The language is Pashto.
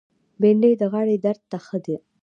بېنډۍ د غاړې درد ته ښه ده